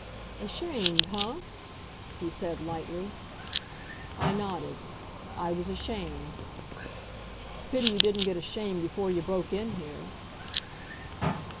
"Ashamed huh?" he said lightly. I nodded. I was ashamed. "Pity you didn't get ashamed before you broke in here."